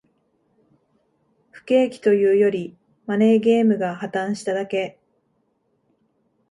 不景気というより、マネーゲームが破綻しただけ